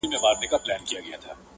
ویل ځوانه په امان سې له دښمنه-